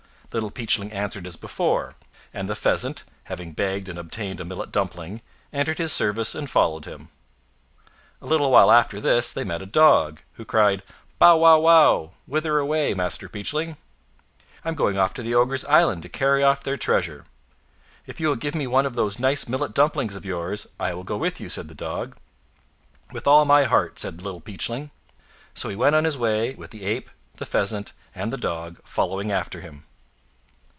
Little Peachling answered as before; and the Pheasant, having begged and obtained a millet dumpling, entered his service and followed him. A little while after this they met a Dog, who cried— Bow! wow! wow! whither away, Master Peachling?" "I'm going off to the ogres' island, to carry off their treasure. "If you will give me one of those nice millet dumplings of yours, I will go with you," said the Dog. "With all my heart," said Little Peachling. So he went on his way, with the Ape, the Pheasant, and the Dog following after him.